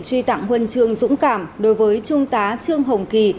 truy tặng huân chương dũng cảm đối với trung tá trương hồng kỳ